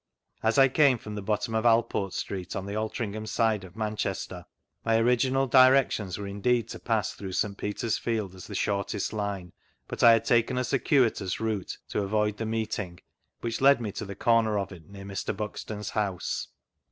As I came from the bonom of Alport Street, on the Altrincham side of Manchester, my or^nal directions were indeed to pass through St, Peter's field as the shortest line, but I had taken a circuitous route to avoid the meeting, which led me to the cc»ner of it near Mr. Buxton's house.